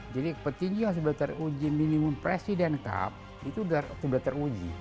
jadi petinju yang sudah teruji minimum presiden cup itu sudah teruji